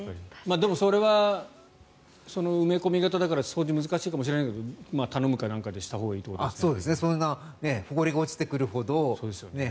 でも、それは埋め込み型だから掃除難しいかもしれないけど頼むか何かでしたほうがいいということですね。